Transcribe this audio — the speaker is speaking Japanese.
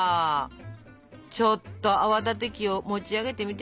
ちょっと泡立て器を持ち上げてみてちょ。